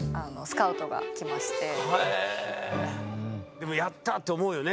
でもやった！と思うよね